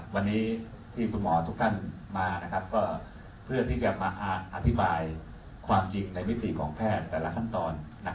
วันนี้ที่คุณหมอทุกท่านมาก็เพื่อที่จะมาอธิบายความจริงในมิติของแพทย์แต่ละขั้นตอน